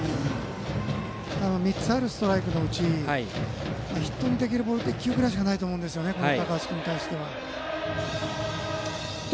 ３つあるストライクのうちヒットにできるボールは１球ぐらいしかないと思うんです高橋君に対しては。